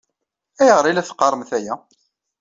Ayɣer i la teqqaṛemt aya?